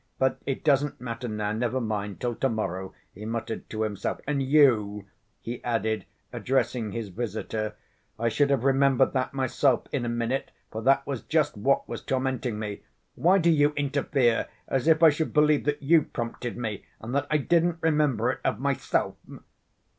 but it doesn't matter now, never mind, till to‐morrow," he muttered to himself, "and you," he added, addressing his visitor, "I should have remembered that myself in a minute, for that was just what was tormenting me! Why do you interfere, as if I should believe that you prompted me, and that I didn't remember it of myself?"